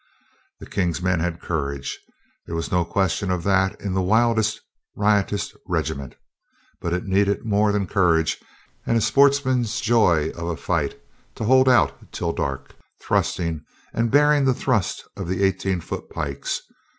The King's men had courage. There was no question of that in the wildest, riotous regiment. But it needed more than courage and a sportsman's joy of a fight to hold out till dark, thrusting and bearing the thrust of the eighteen foot pikes.